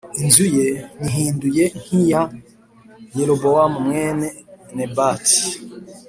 inzu ye nyihindure nk’iya Yerobowamu mwene Nebati